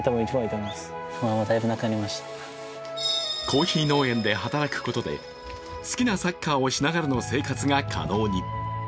コーヒー農園で働くことで好きなサッカーをしながらの生活が可能に。